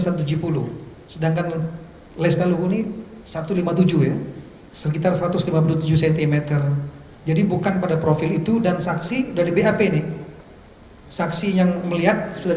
sedangkan lestaluhuni satu ratus lima puluh tujuh ya sekitar satu ratus lima puluh tujuh cm jadi bukan pada profil itu dan saksi dari bap nih saksi yang melihat sudah